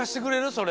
それ。